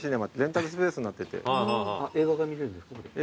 映画が見れるんですか？